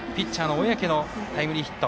小宅のタイムリーヒット。